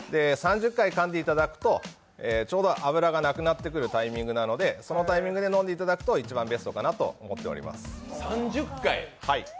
３０回かんでいただくとちょうど脂がなくなってくるタイミングなのでそのタイミングで飲んでいただくとベストかなと思っております。